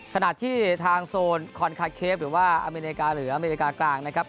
ขณะที่ทางโซนคอนคาเคฟหรือว่าอเมริกาหรืออเมริกากลางนะครับ